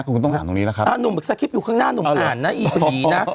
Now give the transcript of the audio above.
คุณต้องอ่านตรงนี้นะครับอ้าวหนุ่มอยู่ข้างหน้าหนุ่มอ่านนะอีกทีนะ